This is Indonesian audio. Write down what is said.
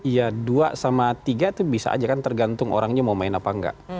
iya dua sama tiga itu bisa aja kan tergantung orangnya mau main apa enggak